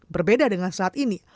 berbeda dengan saat ini